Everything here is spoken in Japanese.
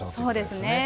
そうですね。